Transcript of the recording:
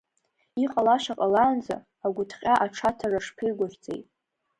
Иҟалаша ҟалаанӡа агәыҭҟьа аҽаҭара шԥеигәаӷьӡеи!